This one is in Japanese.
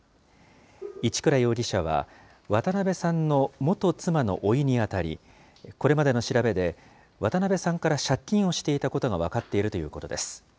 一倉容疑者は、渡邉さんの元妻のおいに当たり、これまでの調べで、渡邉さんから借金をしていたことが分かっているということです。